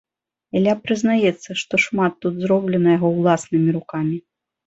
Ілля прызнаецца, што шмат тут зроблена яго ўласнымі рукамі.